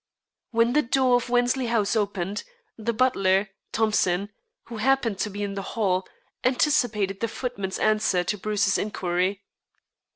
When the door of Wensley House opened, the butler, Thompson, who happened to be in the hall, anticipated the footman's answer to Bruce's inquiry.